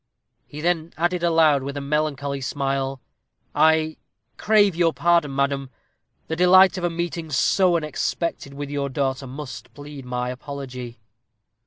He then added aloud, with a melancholy smile, "I crave your pardon, madam; the delight of a meeting so unexpected with your daughter must plead my apology."